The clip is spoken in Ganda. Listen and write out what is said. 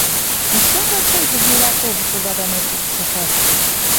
Nsonga ki eziviirako obukuubagano ku ttaka?